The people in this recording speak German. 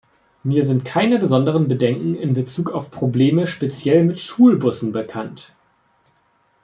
Mir sind keine besonderen Bedenken in Bezug auf Probleme speziell mit Schulbussen bekannt.